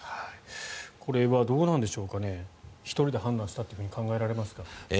これはどうなんでしょうか１人で判断したと考えられますか。